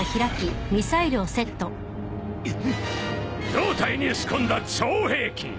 胴体に仕込んだ超兵器。